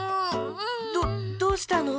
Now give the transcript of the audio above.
どっどうしたの？